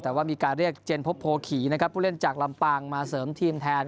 แต่ว่ามีการเรียกเจนพบโพขี่นะครับผู้เล่นจากลำปางมาเสริมทีมแทน